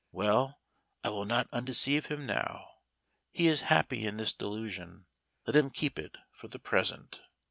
Well, I will not undeceive him now. He is happy in this delusion, let him keep it for the present."